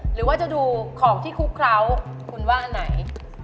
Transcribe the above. หรือว่าจะดูของที่คุกเคล้าคุณว่าอันไหน